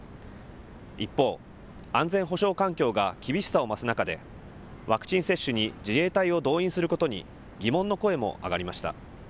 一方、安全保障環境が厳しさを増す中で、ワクチン接種に自衛隊を動員することに疑問の声も上がりました。